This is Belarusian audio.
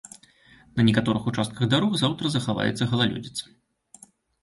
На некаторых участках дарог заўтра захаваецца галалёдзіца.